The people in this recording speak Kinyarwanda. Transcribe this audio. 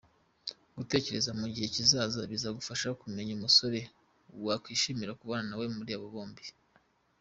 Gutekereza mu gihe kizaza bizagufasha kumenya umusore wakishimira kubana nawe muri abo bombi.